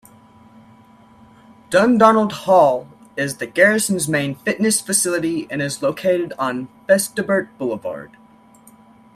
Dundonald Hall is the Garrison's main fitness facility and is located on Festuburt Boulevard.